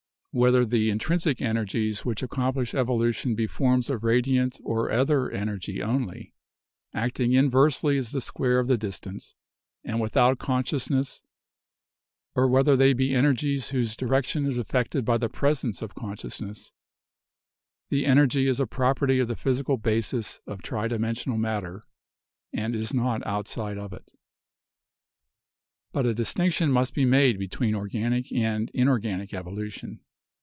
Whether the intrinsic energies which accomplish evolution be forms of radiant or other energy only, acting inversely as the square of the distance, and without consciousness, or whether they be energies whose direction is affected by the presence of consciousness, the energy is a property of the physical basis of tridimensional matter, and is not outside of it." But a distinction must be made between organic and inorganic evolution.